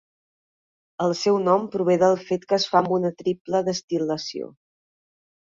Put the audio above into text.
El seu nom prové del fet que es fa amb una triple destil·lació.